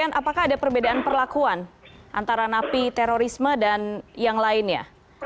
apakah ada perbedaan perlakuan antara napi terorisme dan yang lainnya